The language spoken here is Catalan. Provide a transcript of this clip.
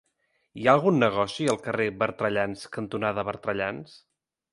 Hi ha algun negoci al carrer Bertrellans cantonada Bertrellans?